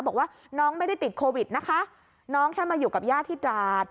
บอกว่าน้องไม่ได้ติดโควิดนะคะน้องแค่มาอยู่กับย่าที่ตราด